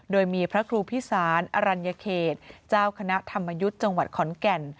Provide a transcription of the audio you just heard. โดยมีพระครูพิสารอรัญญเขตเจ้าคณะธรรมยุทธ์จังหวัดขอนแก่น